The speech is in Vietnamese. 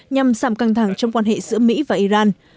nhằm giảm căng thẳng trong quan hệ giữa mỹ và iran